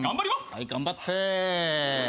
はい頑張って。